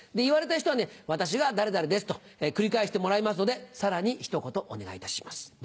言われた人は「私が誰々です」と繰り返してもらいますのでさらにひと言お願いいたします。